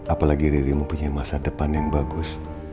apalagi diri mempunyai masa depan yang bagus